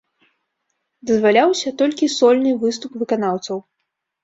Дазваляўся толькі сольны выступ выканаўцаў.